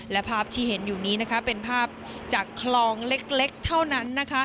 และภาพที่เห็นอยู่นี้เป็นภาพจากคลองเล็กเท่านั้น